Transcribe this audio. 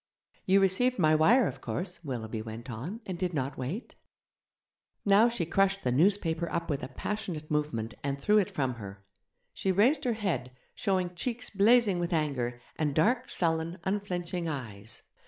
'You received my wire, of course,' Willoughby went on, 'and did not wait?' Now she crushed the newspaper up with a passionate movement, and threw it from her. She raised her head, showing cheeks blazing with anger, and dark, sullen, unflinching eyes.